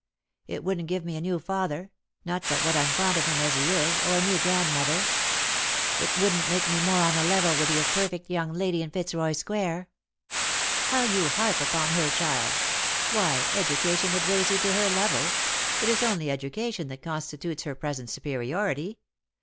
It wouldn't give me a new father — not but what I'm fond of him as he is — or a new grand mother. It wouldn't make me more on a level with your per fect young lady in Eitzroy square." "How you harp upon her, child! Why, education would raise you to her level ! It is only education that constitutes her present superiority.